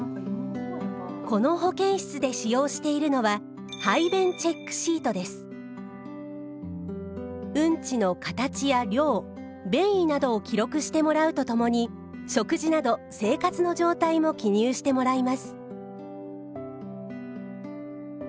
この保健室で使用しているのはうんちの形や量便意などを記録してもらうとともに食事など生活の状態も記入してもらいます。